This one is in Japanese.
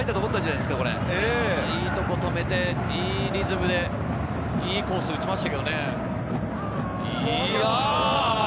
いいところに止めて、いいリズムでいいコースに打ちました。